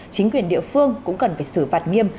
chính quyền địa phương cũng cần phải xử phạt nghiêm